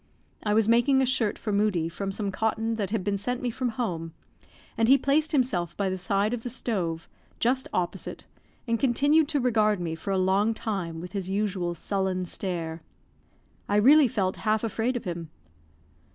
I was making a shirt for Moodie from some cotton that had been sent me from home, and he placed himself by the side of the stove, just opposite, and continued to regard me for a long time with his usual sullen stare. I really felt half afraid of him.